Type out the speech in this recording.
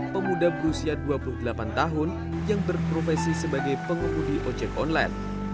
pemuda berusia dua puluh delapan tahun yang berprofesi sebagai pengemudi ojek online